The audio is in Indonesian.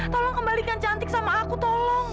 tolong kembalikan cantik sama aku tolong